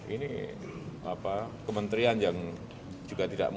ini kementerian yang juga diperhatikan